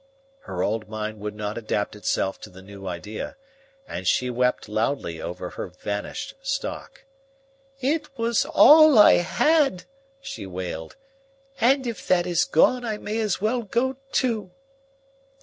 Her old mind would not adapt itself to the new idea, and she wept loudly over her vanished stock. "It was all I had," she wailed. "If that is gone I may as well go too."